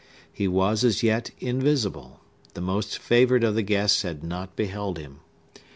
He was as yet invisible; the most favored of the guests had not beheld him.